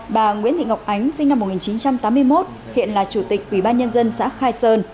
bà nguyễn thị ngọc ánh sinh năm một nghìn chín trăm tám mươi một hiện là chủ tịch ủy ban nhân dân xã khai sơn